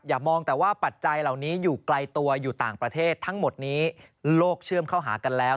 มองแต่ว่าปัจจัยเหล่านี้อยู่ไกลตัวอยู่ต่างประเทศทั้งหมดนี้โลกเชื่อมเข้าหากันแล้ว